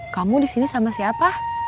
kamu disini sama siapa